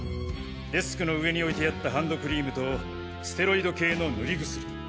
デスクの上に置いてあったハンドクリームとステロイド系の塗り薬。